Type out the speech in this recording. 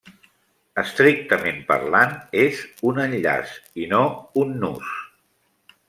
Estrictament parlant és un enllaç i no un nus.